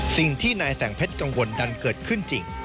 สิ่งที่นายแสงเพชรก็เกิดขึ้นจริง